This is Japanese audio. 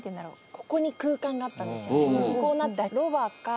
ここに空間があったんですよ。